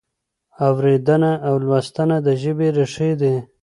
اورېدنه او لوستنه د ژبې ریښې دي.